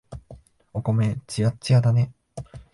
お米、つやっつやだね。